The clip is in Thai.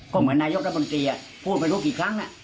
ก็เหมือนนายกรัฐมนตรีพูดไม่รู้กี่ครั้ง